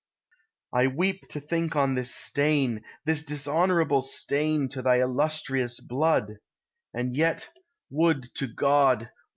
I weep to think on this stain, this dishonourable stain, to thy illustrious blood! And yet, would to God!